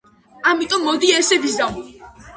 ამიტომ, მოდი, ესე ვიზამ.